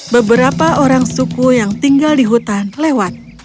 beberapa orang suku yang tinggal di hutan lewat